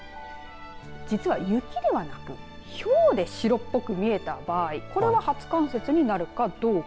実は雪ではなくてひょうで白っぽく見えた場合これは初冠雪になるかどうか。